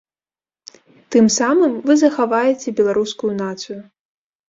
Тым самым вы захаваеце беларускую нацыю.